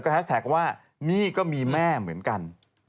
แฮสแท็กว่านี่ก็มีแม่เหมือนกัน